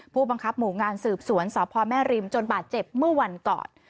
ผู้บังคับหมู่งานสืบสวนสพแม่ริมจนบาดเจ็บเมื่อวันก่อน